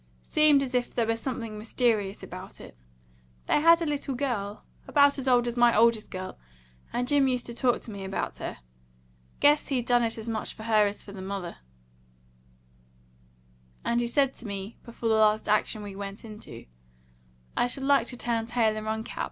Seemed as if there was something mysterious about it. They had a little girl, about as old as my oldest girl, and Jim used to talk to me about her. Guess he done it as much for her as for the mother; and he said to me before the last action we went into, 'I should like to turn tail and run, Cap.